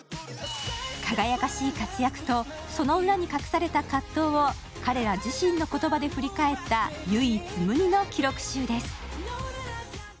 輝かしい活躍と、その裏に隠された葛藤を彼ら自身の言葉で振り返った唯一無二の記録集です。